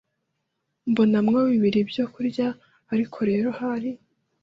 mbonamo bibiri byo kurya ariko rero hari